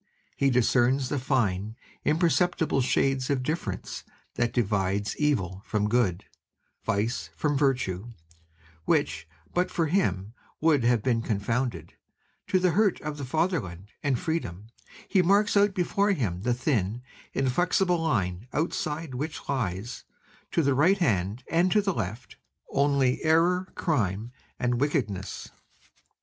He discerns the fine, imperceptible shades of difference that divide evil from good, vice from virtue, which but for him would have been confounded, to the hurt of the fatherland and freedom, he marks out before him the thin, inflexible line outside which lies, to the right hand and to the left, only error, crime, and wickedness.